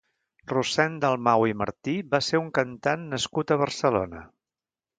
Rossend Dalmau i Martí va ser un cantant nascut a Barcelona.